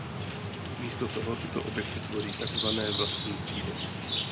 Místo toho tyto objekty tvoří takzvané vlastní třídy.